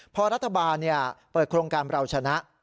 พอรัฐบาลเปิดโครงการเราชนะ